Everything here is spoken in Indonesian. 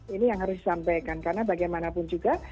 ini yang harus disampaikan karena bagaimanapun juga